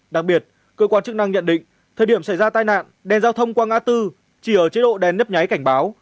đặc biệt cơ quan chức năng nhận định thời điểm xảy ra tai nạn đèn giao thông qua ngã tư chỉ ở chế độ đèn nhấp nháy cảnh báo